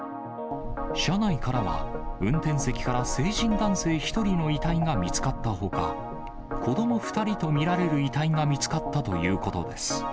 車内からは、運転席から成人男性１人の遺体が見つかったほか、子ども２人と見られる遺体が見つかったということです。